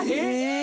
え！